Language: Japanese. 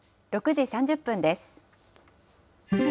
６時３０分です。